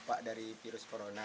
dampak dari virus corona